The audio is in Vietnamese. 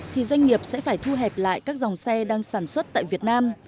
thì doanh nghiệp sẽ phải thu hẹp lại các dòng xe đang sản xuất tại việt nam